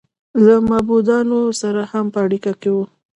له معبودانو سره هم په اړیکه کې و.